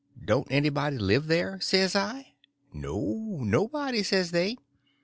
Don't anybody live there? says I. No, nobody, says they.